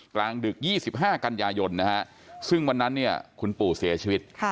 กลางดึก๒๕กันยายนซึ่งวันนั้นคุณปู่เสียชีวิต